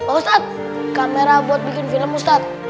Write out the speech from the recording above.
ustadz kamera buat bikin film ustadz